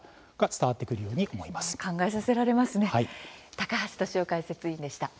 高橋俊雄解説委員でした。